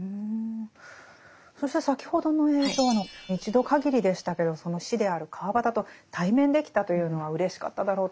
そして先ほどの映像の一度限りでしたけどその師である川端と対面できたというのはうれしかっただろうと。